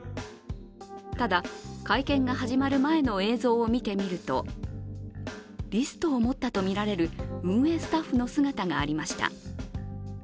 ただ、会見が始まる前の映像を見てみるとリストを持ったとみられる運営スタッフの姿がありました。